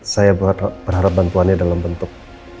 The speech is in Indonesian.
saya berharap bantuannya dalam bentuk